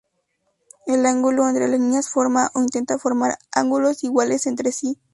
El ángulo entre las líneas forma, o intenta formar, ángulos iguales entre sí.